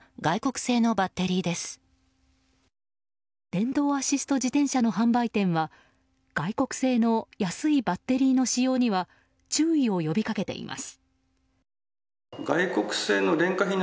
電動アシスト自転車の販売店は外国製の安いバッテリーの使用には注意を呼びかけています。